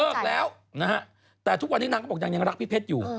เลิกแล้วแต่ทุกวันนี้นางก็บอกยังรักพี่เพชรอยู่